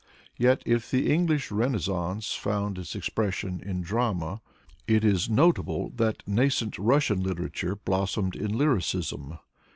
Yet if the English Renaissance found its expression in drama, it is notable that nascent Russian literature blossomed in lyricism.